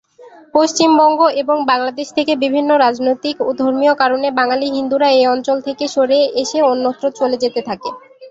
পশ্চিমবঙ্গ এবং বাংলাদেশ থেকে বিভিন্ন রাজনৈতিক ও ধর্মীয় কারণে বাঙালি হিন্দুরা এই অঞ্চল থেকে সরে এসে অন্যত্র চলে যেতে থাকে।